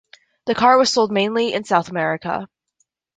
The car was sold mainly in South America.